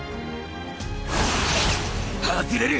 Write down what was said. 外れる！